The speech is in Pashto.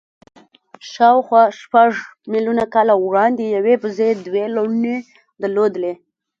شاوخوا شپږ میلیونه کاله وړاندې یوې بیزو دوې لوڼې درلودې.